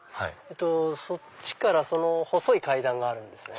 そっちから細い階段があるんですね。